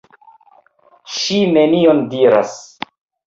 Ŝi nenion diras.